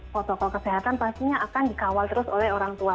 protokol kesehatan pastinya akan dikawal terus oleh orang tua